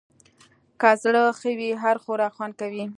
که زړه ښه وي، هر خوراک خوند کوي.